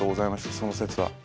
その節は。